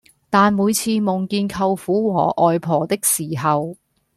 但每次夢見舅父和外婆的時候